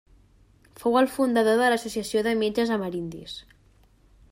Fou el fundador de l'Associació de Metges Amerindis.